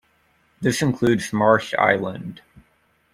This includes Marsh Island.